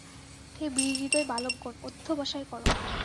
হে বীরহৃদয় বালকগণ, অধ্যবসায় কর।